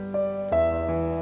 gak ada apa apa